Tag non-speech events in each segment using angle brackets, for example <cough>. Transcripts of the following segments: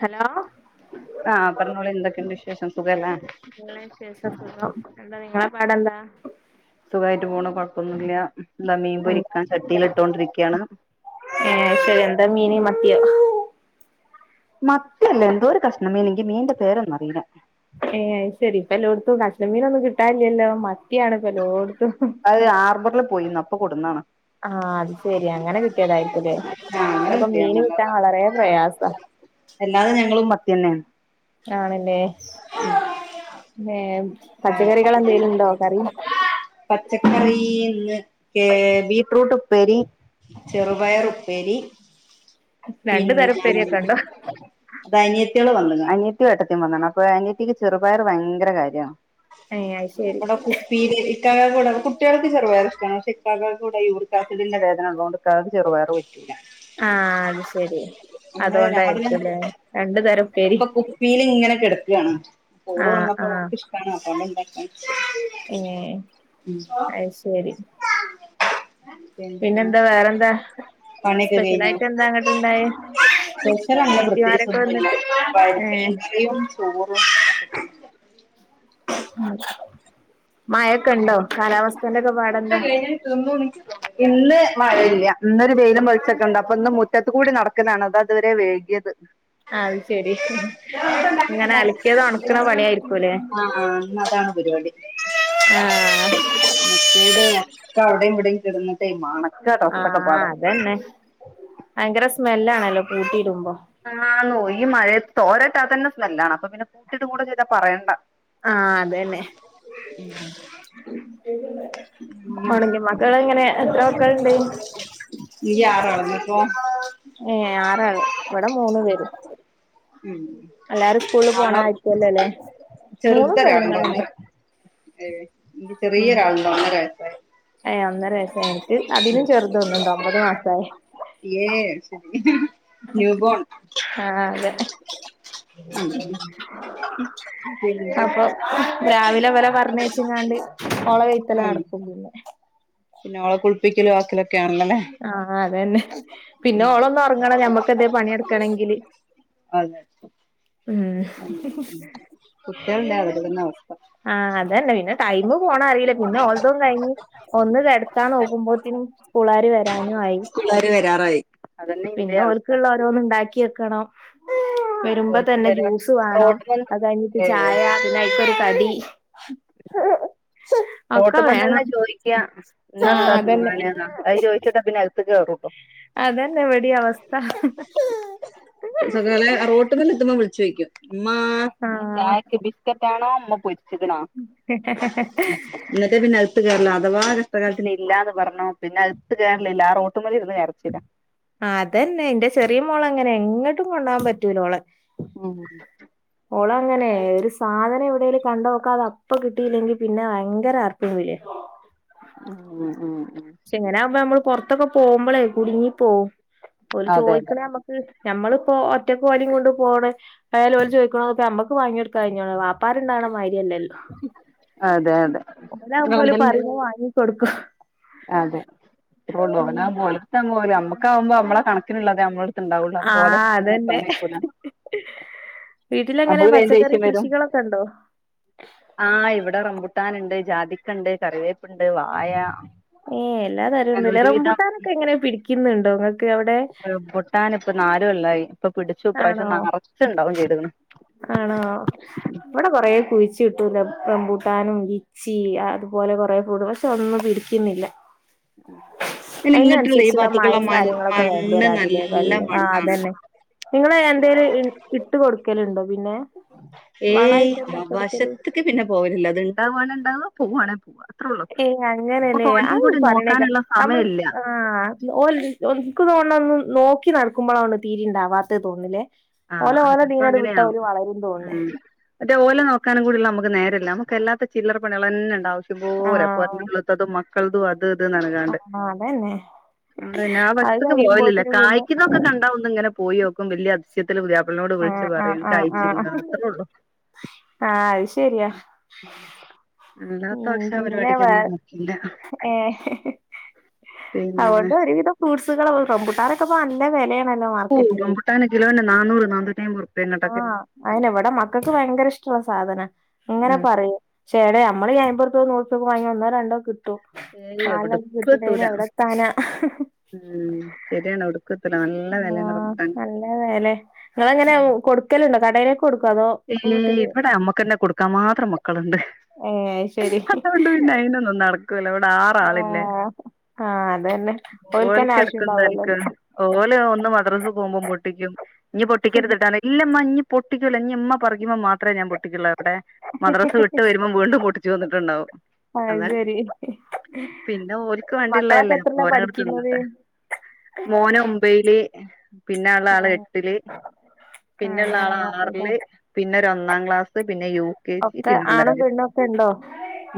Hello ആ പറഞ്ഞോളി എന്തെക്കെണ്ട് വിശേഷം സുഖല്ലേ? നല്ല വിശേഷം സുഖം എന്താ നിങ്ങളെ പാടെന്താ? സുഖമായിട്ട് പോണു കൊഴപ്പൊന്നുല്ല ഇതാ മീൻ പൊരിക്കാൻ ചട്ടീലിട്ടോണ്ടിരിക്ക്യാണ് ഏഹേ അയ്ശെരി എന്താ മീന് മത്ത്യോ? മത്തിയല്ല എന്തോ ഒരു കഷ്ണം മീന് ഇക് മീന്റെ പേരൊന്നും അറീല ഏയ് അയ്ശെരി ഇപ്പല്ലോട്ത്തും കഷ്ണം മീനൊന്നും കിട്ടാനില്ലല്ലോ മത്തിയാണ് ഇപ്പം എല്ലോട്ത്തും. അത് ഹാർബറിൽ പോയിന്ന് അപ്പൊ കൊണ്ടുന്നാണ്. ആഹ് അത്ശെരി അങ്ങനെ കിട്ടിയതായിരിക്കൂല്ലേ. ആഹ് അങ്ങനെ ഇവിടൊക്ക മീന് കിട്ടിയതാണല്ലോ കിട്ടാൻ വളരെ പ്രയാസാ അത് ഞങ്ങളും മത്തി തന്നേണ്. ആണല്ലേ ഏഹ് പച്ചക്കറികൾ എന്തെലും ഉണ്ടോ കറി പച്ചക്കറീ ഇന്ന് കേ ബീട്ട്റൂട്ടുപ്പേരി ചെറുപയറുപ്പേരി രണ്ടു പിന്നെ തരപ്പേരിയൊക്കെ ഉണ്ടോ അത് അനിയത്തികള് വന്ന്ണ്. അനിയത്തിം ഏട്ടത്തിം വന്നാണ്. അപ്പൊ അനിയത്തിക്ക് ചെറുപയറ് ഭയങ്കര കാര്യാണ്. <unintelligible> പീരീഡ് ഇക്കകൂടെ കുട്ടികൾക്ക് ചെറുപയറ് ഇഷ്ടമാണ്. പക്ഷെ ഇക്കാക്കിവിടെ യൂറിക്കാസിഡിന്റെ വേദന ഒള്ളകൊണ്ട് ക്കാക്ക് ചെറുപയറ് പറ്റില്ല. ആഹ് അത്ശരി അങ്ങെ രാവിലെ രണ്ടു തരം ഉപ്പേരി ഇപ്പൊ കുപ്പീലിങ്ങനെ കെടക്കാണ് മോള് ആഹ് വന്നപ്പോ ആഹ് ഓക്ക് ഇഷ്ടാണ്. അപ്പങ്ങട് ഇണ്ടാക്ക <unintelligible> അയ്ശരി പിന്നെ പിന്നെന്താ വേറെന്താ? പണിയൊക്കെ സ്പെഷ്യലായിട്ട് എന്താണവിടെണ്ടായെ? സ്പെഷ്യലങ്ങനെ പ്രത്യേകിച്ച് ഒന്നുല്ല. പരി ഏ മീൻകറിയും ചോറും. മഴൊക്കെണ്ടോ? കാലാവസ്ഥന്റൊക്കെ പാടെന്താ? <unintelligible> ഇന്ന് മഴയില്ല. ഇന്നൊരു വെയിലും വെളിച്ചൊക്കെണ്ട്. അപ്പൊ ഇന്ന് മുറ്റത്ത് കൂടി നടക്കുന്നാണ് അതാ ഇതുവരെ വൈകിയത്. <inaudible> ആഹ് അത് ശെരി. ഇങ്ങനെ അലക്കിയത് ഒണക്കണ പണിയായിരിക്കൂല്ലേ ആഹ് അതാണ് പരിപാടി ആഹ് മറ്റേത് ഒക്ക അവിടെയും ഇവിടെയും കെട്ന്നിട്ടെ മണക്കാ ആഹ് ഡ്രസ്സൊക്കെപ്പാടെ അതന്നെ ഭയങ്കര സ്മെല്ലാണല്ലോ കൂട്ടീടുമ്പോ ആണോ ഈ മഴയത്തോരേട്ടാ തന്നെ സ്മെല്ലാണ് അപ്പൊ പിന്നെ കൂട്ടിട്ട് കൂടെ ചെയ്താ പറയണ്ട. ആഹ് അതന്നെ ഉം ഒണങ്ങി. മക്കളെങ്ങനെ എത്ര മക്കള്ണ്ട്? ഇയ്യ് ആറളന്നപ്പോ ഏഹ് ആറാള് ഇവിടെ മൂന്ന് പേര് ഉം എല്ലാരും സ്കൂളില് പോണായിരിക്കൂല്ലോല്ലേ? ചെറുതൊരാളുംകൂടിണ്ട് ഏഹ് ചെറിയൊരാള് ഏയ് ഒന്നര വയസായിട്ട് അതിലും ചെറുതൊന്നുണ്ട് ഒമ്പത് മാസായെ ഏയ് ശരി ന്യൂബോൺ ആ അതെ ഉം പിന്നെ അപ്പൊ രാവിലെ ഇവരെ പറഞ്ഞയച്ചിങ്ങാണ്ട് ഓളെ വെയ്ത്തല ഉം നടക്കും പിന്നെ പിന്നെ ഓളെ കുളിപ്പിക്കലും ആക്കലൊക്കെ ആണല്ലൊല്ലേ ആഹ് അതന്നെ. പിന്നെ ഓളൊന്ന് ഒറങ്ങണം ഞമ്മക്ക് എന്തെലും പണിയെടുക്കണെങ്കില്. അതെ. ഉം ഉം കുട്ടികള്ണ്ടെ ഇതന്നെ അവസ്ഥ. ആഹ് അതന്നെ. പിന്നെ ടൈംമ് പോണതറിയില്ല. പിന്നെ ഓൾതോം കഴിഞ്ഞ് ഒന്ന് കെടത്താൻ നോക്കുമ്പഴത്തിനും സ്കൂളാര് വരാനും ആയി. പിള്ളര് വരാറായി അതന്നെ ഇന്റെ പിന്നെ അവസ്ഥ ഓൽക്കുള്ള ഓരോന്ന് ഇണ്ടാക്കി വെക്കണം. വരുമ്പോ ഓൽക്ക് തന്നെ ഇവരെ ജ്യൂസ് വേണം. റോട്ട്മന്ന് അത് കഴിഞ്ഞിട്ട് ഏഹ് ചായ പിന്നെ അയ്ക്കൊരു കടി ഒക്കെ വേണം റോട്ടുമെന്നന്നെ ചോദിക്കാ ഇന്ന് ആഹ് എന്താ അതന്നെ തിന്നാനേന്നാ. അത് ചോദിച്ചിട്ടാ പിന്നെ അക ത്ത് കേറുട്ടോ അതന്നെ ഇവിടേം അവസ്ഥ. <unintelligible> വിളിച്ച് ചോയ്ക്കും ഉമ്മാ ഇന്ന് ആഹ് ചായക്ക് ബിസ്ക്കറ്റ് ആണോ? ഉമ്മ പൊരിച്ച്ക്ക്ണാ? എന്നട്ട് പിന്നെ അകത്ത് കേറലാ അഥവാ കഷ്ടകാലത്തിന് ഇല്ലാന്ന് പറഞ്ഞോ പിന്നെ അകത്ത് കേറലില്ല. ആഹ് റോട്ടുമേലിരുന്ന് കരച്ചിലാ. അതന്നെ എൻ്റെ ചെറിയ മോള് അങ്ങനെയാ എങ്ങോട്ടും കൊണ്ടോകാൻ പറ്റൂലോളെ. ഉം ഓള് അങ്ങനെ ഒരു സാധനം എവടേലും കണ്ടാ ഓക്ക് അത് അപ്പ കിട്ടിയില്ലെങ്കി പിന്നെ ഭയങ്കര ആർപ്പും വിളിയാ. ഉം ഉം ഉം ക്ഷേ ഇങ്ങനെയാവുമ്പേ നമ്മള് പൊറത്തൊക്കെ പോമ്പോളേ കുടുങ്ങി പോവും. ഓല് അതെ ചോദിക്കണ നമ്മ ക്ക് ഞമ്മളിപ്പോ ഒറ്റക്ക് ഓലെകൊണ്ട് പോണ് എയാല് ഓല് ചോദിക്കണ പോലത്തെ നമ്മക്ക് വാങ്ങിടുക്കാൻ കഴിഞ്ഞേണു വാപ്പാര് ഉണ്ടാക്കണമാര്യല്ലല്ലോ. അതെ അതെ. ഓലാവുമ്പോല് ഇങ്ങളെന്തേലും പറഞ്ഞ വാങ്ങിക്കൊടുക്കും. അതെ ഇത്രേള്ളു <unintelligible> നമ്മക്കാവുമ്പോ നമ്മളെ കണക്കിനുള്ളതേ നമ്മ ട്ട്ണ്ടാവുള്ളു ആ അപ്പോ ഓലെ ഇഷ്‌ടം നിക്കാനെക്കൂല. വീട്ടിലെങ്ങനെയാ പച്ചക്കറി കൃഷികളൊക്കെണ്ടോ? ആഹ് ഇവിടെ റംബുട്ടാന്ണ്ട്, ജാതിക്കണ്ട്, കറിവേപ്പ്ണ്ട്, വായ ഏഹ് എല്ലാ തരം ഉണ്ടല്ലേ. ഒരുവിധം റംബൂട്ടാനൊക്കെ എങ്ങനെ പിടിക്കുന്നുണ്ടോ ഇങ്ങക്ക് അവടെ? റംബൂട്ടാന് ഇപ്പ നാലുകൊല്ലായി. ഇപ്പോ പിടിച്ചു ഈ ആണോ പ്രാശ്യം നെറച്ചുണ്ടാവും ചെയ്തേക്ക്‌ണ്. ആണോ ഇവടെ കൊറേ കുഴിച്ചിട്ടു റം റംബൂട്ടാനും ലി ച്ചീ അതുപോലെ കൊറേ ഫ്രൂട്ട് പക്ഷെ ഒന്നും പിടിക്കുന്നില്ല. പിന്നെ ഇങ്ങട്ടുള്ള ഈ അയ്നനുസരിച്ചുള്ള ഭാഗത്ത്ക്കുള്ള മഴേം മ കാര്യങ്ങളൊക്കെ മണ്ണ് വേണ്ടെവരാ അതിലേ നല്ല വെള്ള ആഹ് മണ്ണാണ് അതന്നെ. നിങ്ങള് എന്തേലും ഇൺ ഇട്ട് കൊടുക്കലുണ്ടോ പിന്നെ? ഏയ് വളായിട്ട് എന്താ ആഹ് ഇട്ട് കൊടുക്കല്? വശത്ത്ക്ക് പിന്നെ പോകലില്ല. അത് ഇണ്ടാവാണേ ഇണ്ടാവ പോവാണേ പോവാ. അത്രേ ഉള്ളൂ ഏയ് അങ്ങനെല്ലേ ഇപ്പൊ ഓലേം അത് കൂടി പറണേ കേക്കാം. നോക്കാനുള്ള നമ്മള് സമയല്ല ആഹ് ഓല് എനിക്കു തോന്നോണോന്ന് നോക്കി നടക്കുമ്പോളാണ് തീരെ ഇണ്ടാവാത്ത് തോന്ന്ല്ലേ. ഓലെ ആഹ് ഓല്ടെ ചെലപ്പോ ഇതീന് വിട്ട അങ്ങനെയാവും ഓര് വളരും തോന്നേ. ഉം മറ്റേ ഓലെ നോക്കാനും കൂടിള്ള നമുക്ക് നേരല്ല. നമുക്ക് അല്ലാത്ത ചില്ലറ പണികളന്നെണ്ടാവും ഇഷ്‌ടം പോലെ ആഹ് <inaudible> തതും മക്കളതും അത് ഇത് നനകാണ്ട്. ആഹ് അതന്നെ. അതുകൊണ്ടന്നെ ആഹ് അത് വശത്ത്ക്ക് പോവലില്ല. കഴിയുമ്പോത്തിനും പിന്നെ കായ്ക്കുന്നതൊക്കെ കണ്ടാ ഒന്ന് ഇങ്ങനെ പോയി നോക്കും വല്യ അ തിശയത്തില് പുതിയപ്പളേനോട് വിളിച്ച് ആഹ് ആഹ് പറയും ആഹ് ആഹ് കായ്ച്ച്ക്കണ്. അത്രേള്ളൂ. ആഹ് അത് ശെരിയാ. അല്ലാത്ത ഉം ഭക്ഷണ പിന്നെ വേ പരിപാടിക്കൊന്നും പോക്കില്ല ഏഹ് പിന്നെ അതുകൊണ്ട് ഒരുവിധം ഫ്രൂട്ട്സുകള് റംമ്പുട്ടാനൊക്കെ നല്ല വെലയാ. ഓഹ് റംമ്പൂട്ടാന് കിലോന് നാനൂറ് നാനൂറ്റയ്മ്പത് റു ആഹ് അയിന് ഇവടെ മക്കക്ക് ഭയങ്കര ഇഷ്ടമുള്ള സാധനാ. ഇങ്ങനെ ഉം പറയും ശ്ശേടേ അമ്മള് ഈ അമ്പതു നൂറുപ്പയ്ക്കൊക്കെ വാങ്ങിയാ ഒന്നോ രണ്ടോ കി ട്ടും ഏയ് നലെണ്ണൊക്കെ എവ്ട്ക്കും കിട്ടുന്നേന് എത്തൂല എവടെത്താനാ. ഉം ശരിയാണ് എവ്ട്ക്കും എത്തൂല നല്ല വെലേണ് ആഹ് റംബുട്ടാന് നല്ല വേലെ ഞാന് റ്റം കൊടുക്കല്ണ്ടോ കടേല് കൊടുക്വോ അതോ ഏയ് വീട്ടില് ഇവിടെ ഞമ്മക്കന്നെ കൊടുക്കാൻ മാത്രം മക്കള്ണ്ട് ഏഹ് അത് ശരി അതുകൊണ്ട് പിന്നെ അയ്നൊന്നും നടക്കൂലാ ഇവിടെ ആറാളില്ലേ ആഹ് ആഹ് അതന്നെ ഓൽക്കന്നെ ഓൽക്കെടുക്കും തനിക്ക് ആവശ്യണ്ടാവല്ലോലേ ഓല് ഒന്ന് മദ്റസ പോകുമ്പോം പൊട്ടിക്കും ഇനി പൊട്ടിക്കരുത്ട്ടാ ഇല്ല്മ്മ ഇനി പൊട്ടിക്കൂല്ല ഇനിയ്മ്മ പറയ്മ്പോ മാത്രേ ഞാൻ പൊട്ടിക്കുള്ളൂ എവിടേ മദ്റസ വിട്ട് വരുമ്പോം വീണ്ടും പൊട്ടിച്ചു വന്നിട്ട്ണ്ടാവും അത് അതെ ശരി പിന്നെ ഓൽക്ക് മക്കളൊക്കെ വേണ്ടിയ്ള്ളയല്ലേ എത്രയിലാ അപ്പോരങ്ങട് പഠിക്കുന്നത് തിന്നട്ടെ മോനൊമ്പയ്ല് പിന്നള്ളാള് ആഹ് എട്ടില് ആഹ് അങ്ങനെ പിന്നള്ളാള് അങ്ങോട്ടേക്കാ ആറില് പിന്നൊരൊന്നാം ക്ലാസ് ത്ത്പിന്നെ യൂ കെ ജീ ഒക്കെ ആണും പിന്നൊന്നരവയസ് പെണ്ണും ഒക്കെ ഉണ്ടോ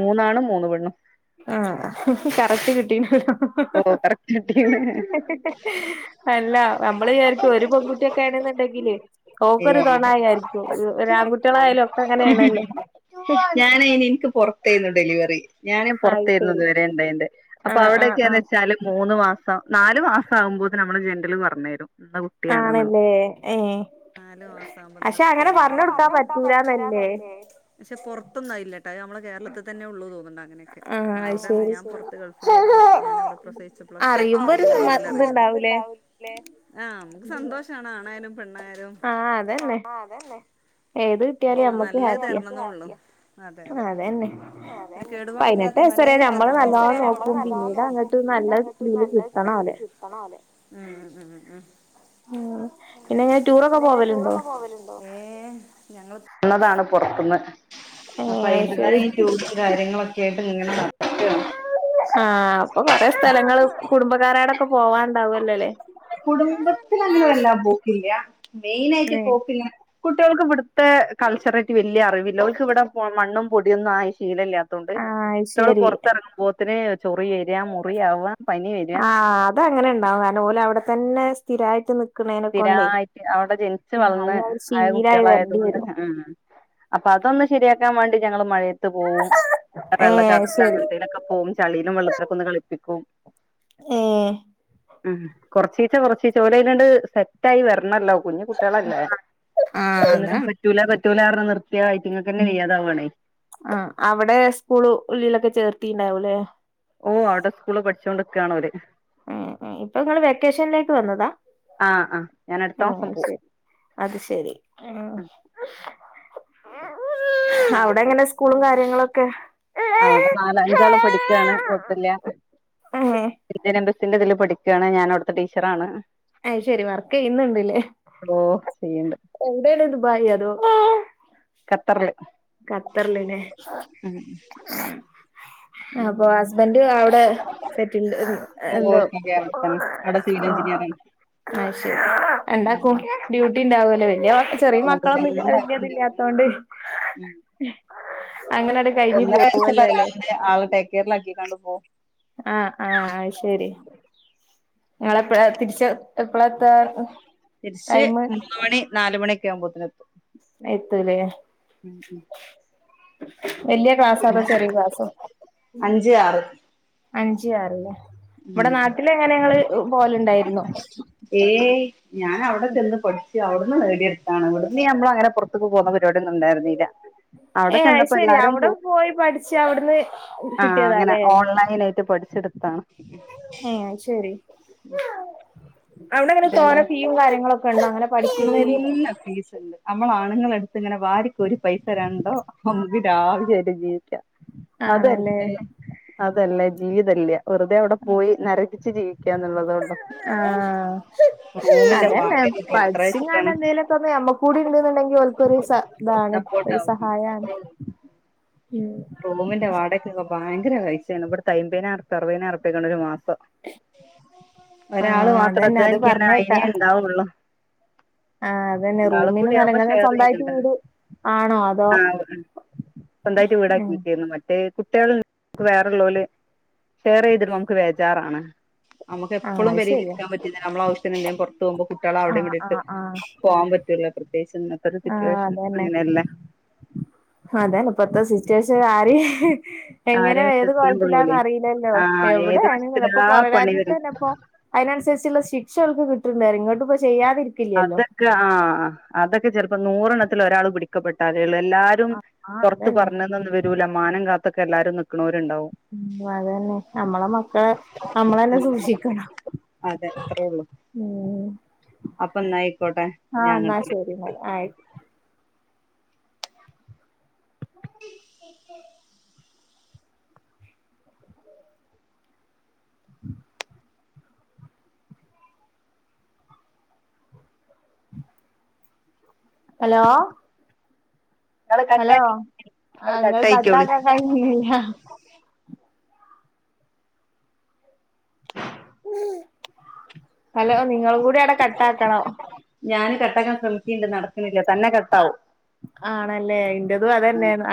മൂന്നാണും മൂന്ന് പെണ്ണും ആഹ് കറക്റ്റ് കിട്ടീൺണ്ടല്ലോ ഓഹ് കറക്റ്റ് കിട്ടീ അല്ല നമ്മള് വിച്ചാരിക്കും ഒരു പെൺകുട്ടിയക്കെയാണെന്ന്ണ്ടെങ്കിലേ ഓക്കൊരു തൊണ ഏഹ് ആയാരിക്കും ഒരു ഒര് ആൺകുട്ടികളായാലും ഒക്കെ അങ്ങനെയാണല്ലോ ഞാനെ അയ്നെനിക് പൊറത്തേര്ന്നു ഡെലിവറി ഞാനെ അയ് പൊറത്തേര്ന്നു ശരി ഇത് വരെണ്ടായേണ്ടെ അപ്പ ആഹ് ആഹ് അവ്ടെക്കെയാണെ ആഹ് നാല് മൂന്ന് മാസം നാല് മാസം ആകുമ്പോത്ത്‌ന് നമ്മളെ ജെന്റല് പറഞ്ഞരും ആണല്ലേ ഏഹ് നാല് മാസം ആകുമ്പം ഇന്ന കുട്ടിയാണ് പക്ഷെ അങ്ങനെ പറഞ്ഞ് കൊടുക്കാൻ പറ്റൂലന്നല്ലേ പക്ഷെ പൊറത്തൊന്നും ആയില്ലാട്ട ഞമ്മള് കേരളത്തി തന്നെ ഉള്ളൂ തോന്നുന്ന്ണ്ട് അങ്ങനെയെക്കെ ആഹ് അത് അവിടെന്ന് ശരി ഞാൻ പൊറത്ത് ഗൾഫിലാരുന്നു ഞാൻ അവിട് പ്രസവിച്ചപ്പോളൊക്കെ അറിയുമ്പോ ഒരു സമാ ഇത്ണ്ടാവൂലേ അറിയുമ്പോര്ത്ണ്ടാവൂലേ ആഹ് നമ്മക്ക് സന്തോഷാണ് ആണയാലും പെണ്ണായാലും ആഹ് അതന്നെ ആഹ് അതന്നെ ഏത് കിട്ടിയാലും നമ്മക്ക് നല്ലത് ഹാപ്പിയാ തരണേന്നെ ഒള്ളൂ അതെ അതെ അതന്നെ പിന്നെ പതിനെട്ട് കേടുപാടില്ലാത്ത വയസ്സ് വരെ നല്ലയ്നെ നമ്മള് തെരണെന്ന്ള്ളൂ വേറെ പ്രശ്നോന്നൂല്ല പതിനെട്ട് വയസ്സ് വരെ നല്ലോണം ഞമ്മള് നോക്കും നല്ലോണം പിന്നീട് നോക്കും അങ്ങട്ട് നല്ല രീതി കിട്ടണം ഓലെ ക്കൊണോലെ ഉം ഉം ഉം ഉം ഉം ഉം പിന്നെങ്ങനെ ടൂറൊക്കെ പോവലുണ്ടോ കൊറേ ഞങ്ങള് വന്നതാണ് പൊറത്ത്‌ന്ന് ഏഹ് അപ്പൊ അത് ശരി അയ്ന്റെതായ ക്യുരിയൊ കാര്യങ്ങളക്കെയായ്ട്ട് ഇങ്ങനെ നടക്ക്യാണ് ആഹ് അപ്പൊ കൊറെ സ്ഥലങ്ങള് കുടുംബക്കാരടക്കെ പോവാൻണ്ടാവല്ലോല്ലേ കുടുംബത്തിലങ്ങനെ വെല്ലാ പോക്കില്ല്യാ മെയിനായിട്ട് ഏഹ് പോക്കി കുട്ടികൾക്ക്‌വിട്ത്തേ കൾച്ചറായ്ട്ട് വല്യ അറിവില്ല ഓൽക്ക്‌വ്ടെപ്പോ മണ്ണും പൊടിയൊന്നും ആയ് ശീലല്ല്യാ ത്തോണ്ട് ആഹ് അത് കുട്ടികള് ശരി പൊറത്തെറങ്ങുമ്പോത്തിന് ചൊറി വര്യാ മുറിയാവ്വാ പനി വര്യാ ആഹ് അതങ്ങനെണ്ടാവും കാരണം ഓലവ്ടെ തന്നെ സ്ഥിരായ്ട്ട് നി സ്ഥിരായിട്ട് അവിടെ ജനിച്ച് വളർന്ന് അതിനൊരു ആയ ശീലായി വരേണ്ടി കുട്ടികളായതുകൊണ്ട് വരും. ഉം ഉം അപ്പൊ അതൊന്ന് ശരിയാക്കാൻ വേണ്ടി ഞങ്ങള് മഴയത്ത് പോവും ഏഹ് അത് ശരി. വെള്ളച്ചാട്ടത്തിലങ്ങനത്തേലക്കെ പോവും ചളിലും വെള്ളത്തിലൊക്കൊന്ന് കളിപ്പിക്കും ഏഹ് ഉം കൊറച്ചീച്ച കൊറച്ചീച്ച ഓലയ്ലാണ്ട് സെറ്റായ് വരണല്ലോ കുഞ്ഞു കുട്ടികളല്ലേ ഒന്നിനും പറ്റൂല പറ്റൂലറഞ്ഞ് നിർത്തിയാ ആയിറ്റങ്ങക്കന്നെ വെയ്യാതാവാണേ ആഹ് അവിടെ സ്കൂളു ഉള്ളിലൊക്കെ ചേർത്തിണ്ടാവൂല്ലേ ഓഹ് അവിടെ സ്കൂള്ല് പഠിച്ചോണ്ട്ക്കാണ് ഓര് ഏഹ് ഏഹ് ഇപ്പഇങ്ങള് വെക്കേഷൻലേക്ക് വന്നതാ ആഹ് ആഹ് ഞാൻ അടുത്ത ഏഹ് മാസം പോവും അത്ശെരി അത്ശെരി ഉം അവ്ടെ എങ്ങനെ സ്കൂളും കാര്യങ്ങളൊക്കെ അവടെ നാലഅഞ്ചാളും പഠിക്കാണ് കാെഴപ്പല്യാ ഏഹ് ഇന്ത്യൻ എംബസ്സിന്റെ ഇതില് പഠിക്കാണ് ഞാന് അവ്ട്ത്തെ ടീച്ചറാണ് ഹ് അത്ശെരി വർക്കെയ്യ്ന്ന്ണ്ട്ലേ ഓ ഹസ് ചെയ്യണ്ട് എവിടേണ് ദുബായിയോ അതോ ഖത്തർല് ഖത്തർല് ലെ അപ്പാെ ഉം ഹസ്ബെന്റ് അവടെ സെറ്റിൽഡ് ഹ് എ ഓ എന്തോ ശരിയാ അവിടെത്തന്നെ ആഹ് അവിടെ മളേ സിവിൽ എഞ്ചിനിയറാണ് അത്ശെരി രണ്ടാക്കും ഡ്യൂട്ടി ഉണ്ടാവോലൊ വെല്യേമക്ക ചെറിയ മക്കളൊന്നും ഇല്യ വെല്ല്യേ ഇത് ല്യാ താേണ്ടൈ കൊർച്ച് ഇഹ് അങ്ങനെട് കഴിഞ്ഞു ഒന്നര പോവല്ലോ വയസ്സ്ള്ള അല്ലേ <unintelligible> ആളെ ടേക്കേറിലാക്കികാണ്ട് പോവും ആഹ് ആഹ് അത് ശെരി ഇങ്ങളെപ്പെഴാ തിരിച്ച് എപ്പളാ എത്താ തിരിച്ച് ടൈമ് മൂന്ന് മണി നാല് മണിയെക്കെ ആവുമ്പോത്തിന് എത്തും ആഹ് എത്തൂലേ ഉം ഉം വെല്യേ ക്ലാസ്സോ അതോ ചെറിയ ക്ലാസ്സോ അഞ്ച് ആറ് അഞ്ച് ആറ്ലെ ഇവടെ ഉം നാട്ടില് എങ്ങനെ ഇങ്ങള് പോവല് ഇണ്ടായിര്ന്നോ ഏയ് ഞാന് അവടെ ചെന്ന് പഠിച്ച് അവ്ട്ന്ന് നേടിയത് ആഹ് ഇവ്ട്ന്ന് ഞമ്മള് അങ്ങനെ പാെർത്ത്ക്ക് പോവുന്ന പരിവാടിയൊന്നും ഇണ്ടാര്ന്നില ഏഹ് അത്ശെരി അവ്ടെ പോയി പഠിച്ച് അവ്ട്ന്ന് ആ അങ്ങനെ കിട്ടിയതാല്ലേ ഓൺലൈനായിട്ട് പഠിച്ചെടുത്താണ് ഏഹ് അത്ശെരി ഡൈഞ്ഞോ ഉണ്ടോ അങ്ങനെ പഠിക്കുന്നതിന് നല്ല ഫീസ്ണ്ട് അമ്മളെ ആണ്ങ്ങളെര്ത്ത് ഇങ്ങനെ വാരിക്കോരി പൈസതെരാൻ ഉണ്ടോ ഹംമ്പി ടാവിരിയായിട്ട് ജീവിക്കാ ആണല്ലേ അതെല്ലേ അതെല്ലെ ജീവിതം ഇല്യ വെറ്തെ അവടെ പോയി നരകിപ്പിച്ച് ജീവിക്കാ എന്ന്ള്ളത്കൊണ്ടോ? ആഹ് അതെന്നെ വാടകക്കൊക്കെ എത്ര പഠിച്ച്ങ്ങാണ്ട് വെച്ചിട്ടാണ് എന്തേലാെക്കെ ഒന്ന് ഞമ്മക്കൂടി ഇണ്ട്ന്ന് ഇണ്ടെങ്കി ഓൽക്കൊര് സ ഇതാണ് ഒര് ടൗട്ട് ഇണ്ട് പിരാന്ത് ഇക്ക് റൂമിന്റെ വാടകകാെക്കെ ഭയങ്കര റൈറ്റാണ് ഇവ്ട്ത്തെ ഐമ്പൈനാറുപ്യ അർവൈനാറുപ്യ ഒക്കെണ്ട് ഒര് മാസം ഒരാള് ആഹ് മാത്രം അതന്നെ അത് അധ്വാനിക്ക്യാണേ പറഞ്ഞേക്കാ ഐനേ ഇണ്ടാവാെള്ളു ആഹ് അതന്നെ രണ്ടാളും റൂമിന് കൂടി നല്ല ആവുമ്പാെ ഇങ്ങക്ക് സ്വന്തായിട്ട് ഷെയറീത്ടാ വീട് ആണോ അതോ ആഹ് ഇണ്ട് ഉം സ്വന്തായിറ്റ് ഉം വീടാക്കീറ്റ് ഇന്ന് മറ്റെത് കുട്ട്യേള്ക്ക് വേറെ ഇള്ളോല് ഷെയറീത് ഇട്മ്പൊ അമ്മക്ക് വേജാറാണ് അമ്മക്ക് ആഹ് എപ്പളും അത് പേരീല് ശരിയാ ഇരിക്കാം പറ്റില്ല നമ്മള്ആവശ്യത്തിന് എന്തെങ്കിലും പാെർത്ത് പോവുമ്പാെ കുട്ട്യോളെ അവടിം ആഹ് ഇവടിം ഇട്ട് ആഹ് ആഹ് പോവാംപറ്റൂല പ്രത്യേകിച്ച് ഇന്നത്തെ ഒര് സിറ്റുവേഷൻസ് അങ്ങനെയല്ലെ അതെന്നെ ഇപ്പത്തെ സിറ്റുവേഷൻ ആരിം ഇഹ് എങ്ങനെ ആരെ ഏത് വിശ്വസിക്കാൻ കോൽത്തിലാന്ന് കൊള്ളൂലേ അറീലല്ലോ ആഹ് ഏത് എവ്ടേണ് ചെലപ്പൊ വശത്തിലാ പാെറ പണി രാജ്യത്ത് വരും തന്നെ ഇപ്പൊ ഐനൻസരിച്ച്ള്ള ശിക്ഷ ഓൽക്ക് കിട്ട്ണ്ട്അറിം ഇങ്ങട്ടും ഇപ്പൊ ചെയ്യാതിരിക് അതൊക്കെ ആഹ് അതൊക്കെ ചെലപ്പോ നൂറ് എണ്ണത്തില് ഒരാള് പിടിക്കപ്പെട്ടാലെയുള്ളൂ. എല്ലാ രും ആഹ് പുറത്ത് അതന്നെ പറഞ്ഞന്നൊന്നും വരൂല. മാനം കാത്തൊക്കെ എല്ലാരും നിക്ക്ണോരുണ്ടാവും. ഉം അതന്നെ നമ്മളെ മക്കളെ നമ്മളന്നെ സൂക്ഷിക്കണം. അതെ. അത്രേ ഉള്ളൂ. ഉം അപ്പൊ എന്നായിക്കോട്ടെ ആഹ് ഞാൻ എന്നാ അങ്ങട്ട് വിളി ശെരിയെന്നാല് ആയി <unintelligible> ഹലോ. നിങ്ങള് ഹലോ കട്ടാക്കി നിങ്ങള് ആഹ് ഇങ്ങൾ കട്ടായിക്കോളി കട്ടാക്കാൻ കഴഞ്ഞില്ല. ഹലോ നിങ്ങള് കൂടി അവിടെ കട്ട് ആക്കണം. ഞാന് കട്ടാക്കാൻ ശ്രമിക്കണ്ട്. നടക്കണില്ല. തന്നെ കട്ടാവും. ആണല്ലേ ഇന്റതും ആഹ് അതന്നെയാണ്